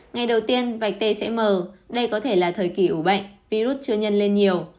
ngày đầu tiên vạch t sẽ mờ đây có thể là thời kỳ ủ bệnh virus chưa nhân lên nhiều